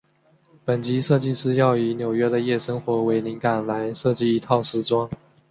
本集设计师要以纽约的夜生活为灵感来设计一套时装。